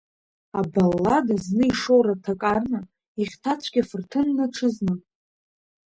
Абаллада Зны ишоура ҭакарны, ихьҭацәгьа фырҭынны ҽазны…